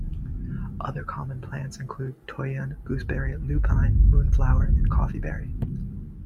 Other common plants include toyon, gooseberry, lupine, monkeyflower and coffeeberry.